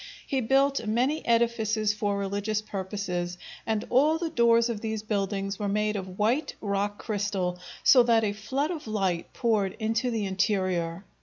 He built many edifices for religious purposes, and all the doors of these buildings were made of white rock crystal, so that a flood of light poured into the interior.